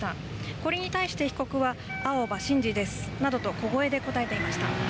これに対して被告は青葉真司ですなどと小声で答えていました。